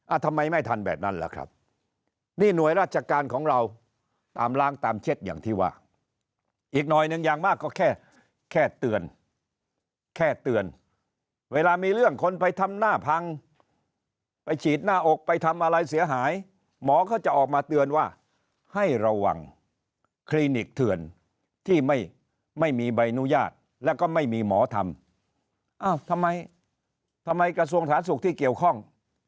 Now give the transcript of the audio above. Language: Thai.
ทำไมไม่ทันแบบนั้นล่ะครับนี่หน่วยราชการของเราตามล้างตามเช็ดอย่างที่ว่าอีกหน่อยหนึ่งอย่างมากก็แค่แค่เตือนแค่เตือนเวลามีเรื่องคนไปทำหน้าพังไปฉีดหน้าอกไปทำอะไรเสียหายหมอเขาจะออกมาเตือนว่าให้ระวังคลินิกเถื่อนที่ไม่ไม่มีใบอนุญาตแล้วก็ไม่มีหมอทำอ้าวทำไมทำไมกระทรวงสาธารณสุขที่เกี่ยวข้อง